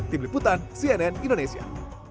tim liputan cnn indonesia